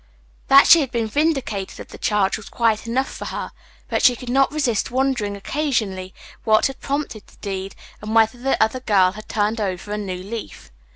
That she had been vindicated of the charge was quite enough for her, but she could not resist wondering occasionally what had prompted the deed, and whether the other girl had turned over a new leaf.